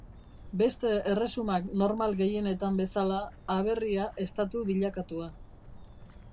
Beste erresuma normal gehienetan bezala, aberria Estatu bilakatua.